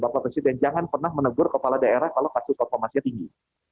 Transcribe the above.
bapak presiden jangan pernah menegur kepala daerah kalau kasus konformasinya tinggi